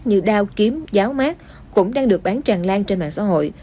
như đao kiếm giáo mát cũng đang được bán tràn lan trên mạng xã hội